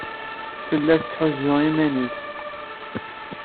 Tella tetthuzzu iman-nnes.